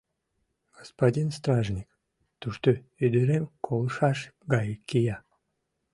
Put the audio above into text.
Господин стражник, тушто ӱдырем колышаш гай кия.